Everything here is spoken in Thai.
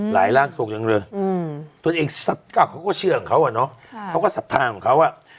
หลายร่างส่งตัวเองก็เขาก็เชื่อเขาอ่ะเนาะเขาก็ศัตรายของเขาอ่ะ